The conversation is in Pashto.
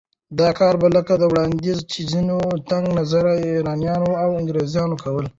دا کار به لکه وړاندې چې ځينو تنګ نظره ایرانیانو او انګریزانو کول